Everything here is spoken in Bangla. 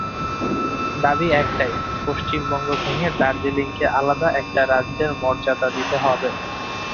দাবি একটাই, পশ্চিমবঙ্গ ভেঙে দার্জিলিংকে আলাদা একটি রাজ্যের মর্যাদা দিতে হবে।